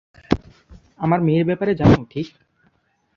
আমার মেয়ের ব্যাপারে জানো, ঠিক?